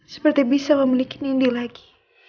seperti bisa memiliki nindi lagi